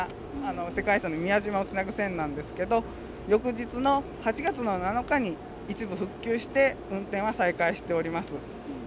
世界遺産の宮島をつなぐ線なんですけど翌日の８月の７日に一部復旧して運転は再開しております。